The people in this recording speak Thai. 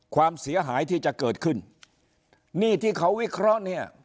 ความเสียหายที่จะเกิดขึ้นนี่ที่เขาวิเคราะห์เนี่ย